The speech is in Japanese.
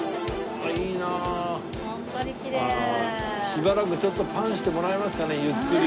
しばらくちょっとパンしてもらえますかねゆっくり。